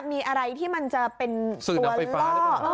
มีอะไรที่มันจะเป็นตัวล่อ